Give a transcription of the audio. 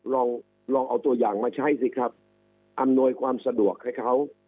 ลองลองเอาตัวอย่างมาใช้สิครับอำนวยความสะดวกให้เขา